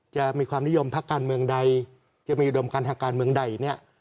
จะมีความนิยมพักการเมืองใดจะมีอุดมการทางการเมืองใดเนี่ย